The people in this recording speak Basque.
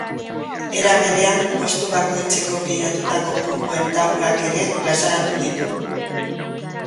Era berean, postu bakoitzeko pilatutako puntuen taulak ere plazaratu ditu.